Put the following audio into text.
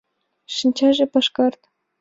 Шинчаже — пашкарт.